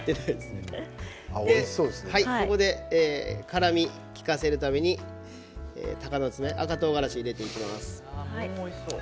ここで辛みを利かせるためにたかのつめ赤とうがらしを入れていきます。